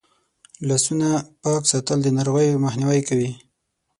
لاسونه پاک ساتل د ناروغیو مخنیوی کوي.